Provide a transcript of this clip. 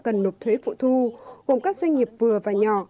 cần nộp thuế phụ thu gồm các doanh nghiệp vừa và nhỏ